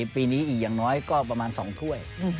ปีนี้อีกอย่างน้อยก็ประมาณ๒ถ้วย